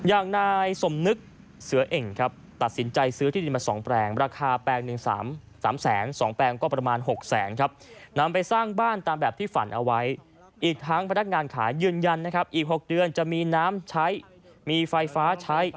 อะยืนยันนะครับอีกหกเดือนจะมีน้ำใช้มีไฟฟ้าใช้